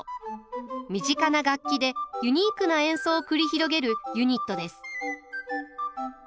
身近な楽器でユニークな演奏を繰り広げるユニットです。